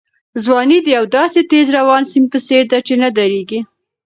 ځواني د یو داسې تېز روان سیند په څېر ده چې نه درېږي.